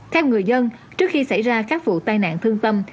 theo người dân trước khi xảy ra các vụ tai nạn thương tâm